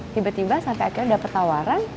tiba tiba sampai akhirnya dapat tawaran